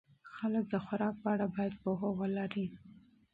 خلک د خوراک په اړه باید پوهه ولري.